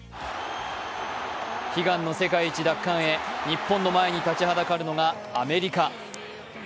悲願の世界一奪還へ、日本の前に立ちはだかるのがアメリカ。